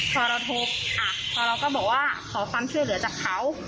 พอเราโทรพอเราก็บอกว่าขอความช่วยเหลือจากเขา